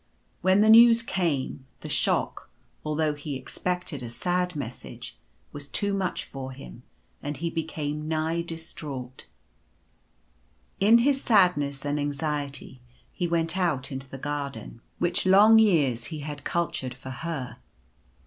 When the news came, the shock, although he expected a sad message, was too much for him, and he became nigh distraught. In his sadness and anxiety he went out into the gar I 34 Early Love. den which long years he had cultured for Her.